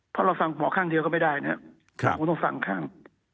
เพราะเราฟังหมอข้างเดียวก็ไม่ได้นะครับคุณต้องฟังข้าง